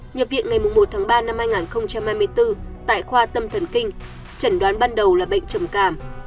nhập viện ngày một ba hai nghìn hai mươi bốn tại khoa tâm thần kinh trần đoán ban đầu là bệnh trầm cảm